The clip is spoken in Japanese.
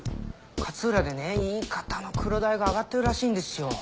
勝浦でねいい型のクロダイがあがってるらしいんですよ。